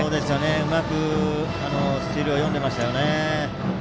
うまく、スチールを読んでいましたよね。